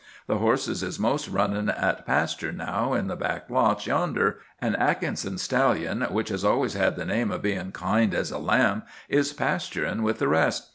The horses is mostly runnin' at pasture now in the back lots yonder; an' Atkinson's stallion, what has always had the name of bein' kind as a lamb, is pasturin' with the rest.